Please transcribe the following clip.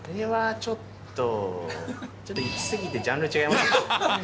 ちょっと行き過ぎてジャンルが違います。